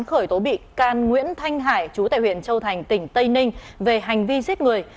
khởi tố bị can nguyễn thanh hải chú tại huyện châu thành tỉnh tây ninh về hành vi giết người